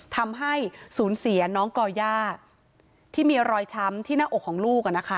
ทำให้สูญเสียน้องก่อย่าที่มีรอยช้ำที่หน้าอกของลูก